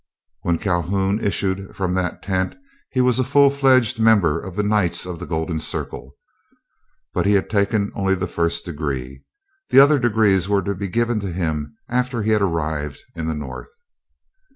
When Calhoun issued from that tent he was a full fledged member of the Knights of the Golden Circle. But he had taken only the first degree. The other degrees were to be given to him after he had arrived in the North.